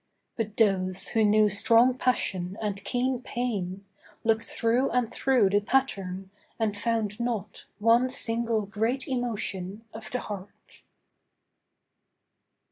But those who knew strong passion and keen pain, Looked through and through the pattern and found not One single great emotion of the heart.